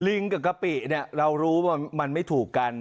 ลิงกับกะปิเนี่ยเรารู้ว่ามันไม่ถูกกัน